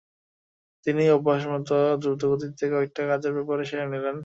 তিনি অভ্যোসমতো দ্রুতগতিতে কয়েকটা কাজের ব্যাপার সেরে নিলেন।